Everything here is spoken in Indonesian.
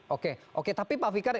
oke oke tapi pak fikar